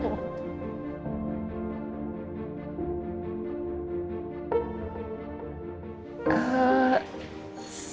sampai jumpa lagi